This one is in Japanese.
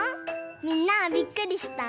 みんなびっくりした？